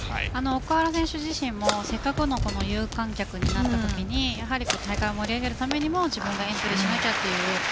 奥原選手自身もせっかくの有観客になったことで大会を盛り上げるためにも自分がやらなきゃという。